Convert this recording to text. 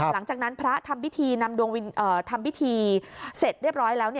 หลังจากนั้นพระทำพิธีทำพิธีเสร็จเรียบร้อยแล้ว